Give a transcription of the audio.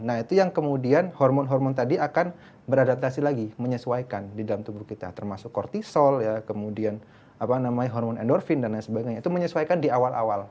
nah itu yang kemudian hormon hormon tadi akan beradaptasi lagi menyesuaikan di dalam tubuh kita termasuk kortisol ya kemudian hormon endorfin dan lain sebagainya itu menyesuaikan di awal awal